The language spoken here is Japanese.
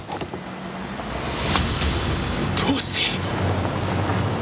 どうして！？